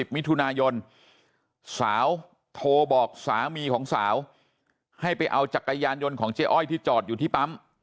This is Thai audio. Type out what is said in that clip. มิถุนายนสาวโทรบอกสามีของสาวให้ไปเอาจักรยานยนต์ของเจ๊อ้อยที่จอดอยู่ที่ปั๊ม